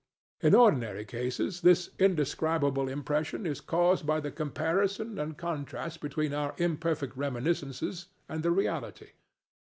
In ordinary cases this indescribable impression is caused by the comparison and contrast between our imperfect reminiscences and the reality.